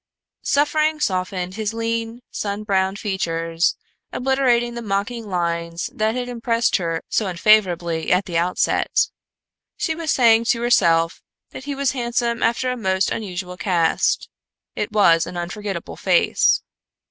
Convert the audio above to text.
Suffering softened his lean, sun browned features, obliterating the mocking lines that had impressed her so unfavorably at the outset. She was saying to herself that he was handsome after a most unusual cast; it was an unforgetable face.